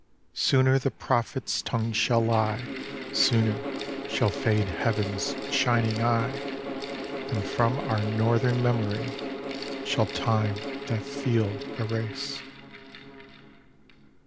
119 RUSSIA Sooner the Prophet's tongue shall lie, Sooner shall fade Heaven's shining eye, Than from our Northern memory Shall time that field erase.